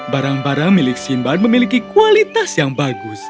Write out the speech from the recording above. barang barang milik simban memiliki kualitas yang bagus